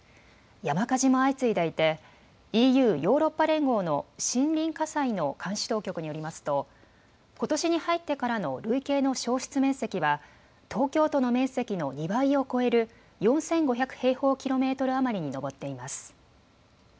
山火事も相次いでいてＥＵ・ヨーロッパ連合の森林火災の監視当局によりますとことしに入ってからの累計の焼失面積は東京都の面積の２倍を超える４５００平方キロメートル余りに上っています。